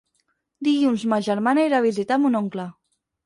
Dilluns ma germana irà a visitar mon oncle.